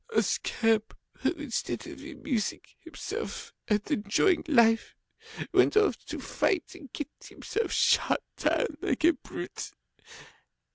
A scamp who, instead of amusing himself and enjoying life, went off to fight and get himself shot down like a brute!